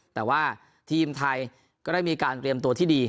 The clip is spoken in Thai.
แต่ว่าทีมไทยก็ได้มีการเตรียมตัวที่ดี